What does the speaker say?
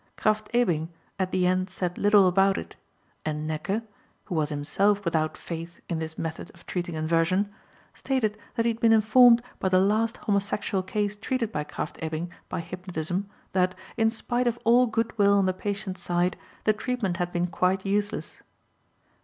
Krafft Ebing at the end said little about it, and Näcke (who was himself without faith in this method of treating inversion) stated that he had been informed by the last homosexual case treated by Krafft Ebing by hypnotism that, in spite of all good will on the patient's side, the treatment had been quite useless.